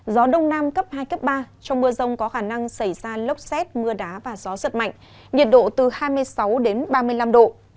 gió đông nam cấp hai cấp ba trong mưa rông có khả năng xảy ra lốc xét mưa đá và gió giật mạnh nhiệt độ từ hai mươi sáu đến ba mươi năm độ